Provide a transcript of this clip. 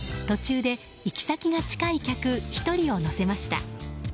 途中で行き先が近い客１人を乗せました。